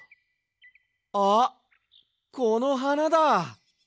あっこのはなだ！